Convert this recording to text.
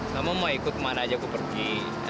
kamu mau ikut kemana aja aku pergi